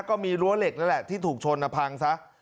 ก็มีรั้วเหล็กนั่นแหละที่ถูกชนพังซะ